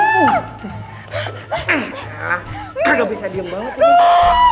gak bisa diem banget ini